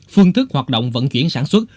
phương thức hoạt động vận chuyển sản xuất